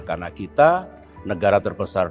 karena kita negara indonesia dan polres